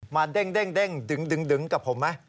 มาดึงกับผมไหม